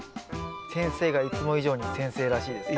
先生がいつも以上に先生らしいです。